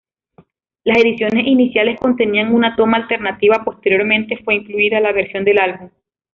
Las ediciones iniciales contenían una toma alternativa, posteriormente fue incluida la versión del álbum.